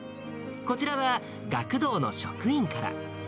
こちらは、学童の職員から。